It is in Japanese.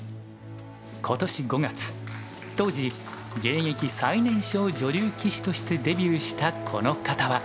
今年５月当時現役最年少女流棋士としてデビューしたこの方は。